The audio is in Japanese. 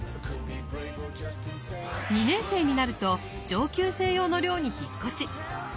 ２年生になると上級生用の寮に引っ越し。